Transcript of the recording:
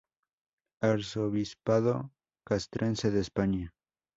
Arzobispado Castrense de España